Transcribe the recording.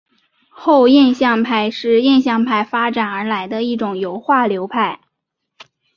后印象派是印象派发展而来的一种油画流派。